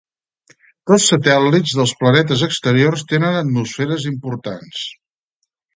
Dos satèl·lits dels planetes exteriors tenen atmosferes importants.